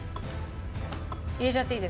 入れちゃっていいですか？